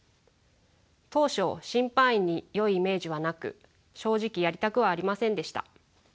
当初審判員によいイメージはなく正直やりたくはありませんでした。